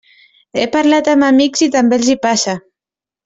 He parlat amb amics i també els hi passa.